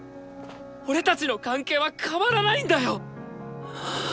俺たちの関係は変わらないんだよ！